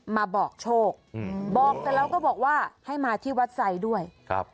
มาบอกโชคบอกแล้วก็บอกว่าให้มาที่วัดไสต์ด้วยครับ